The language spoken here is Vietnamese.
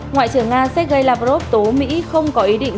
ngoại trưởng nga sergei lavrov tố mỹ không có ý định